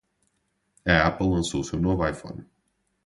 A Apple lançou seu novo iPhone.